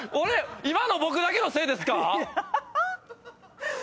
今の僕だけのせいですか⁉クソ！